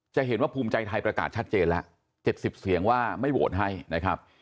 จะเห็นว่าภูมิใจไทยประกาศชัดเจนแล้ว๗๐เสียงว่าไม่โหวตให้นะครับ